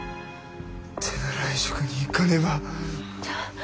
手習い塾に行かねば。